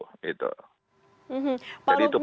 jadi itu poinnya